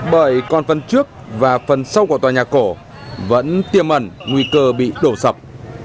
bởi còn phần trước và phần sau của tòa nhà cổ vẫn tiêm ẩn nguy cơ bị đổ sập